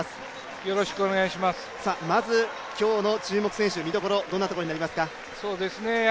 まず今日の注目選手、見どころはどんなところになりますか？